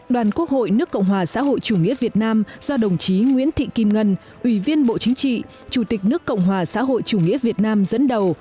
đoàn quốc hội nước cộng hòa xã hội chủ nghĩa việt nam do đồng chí nguyễn thị kim ngân ủy viên bộ chính trị chủ tịch nước cộng hòa xã hội chủ nghĩa việt nam dẫn đầu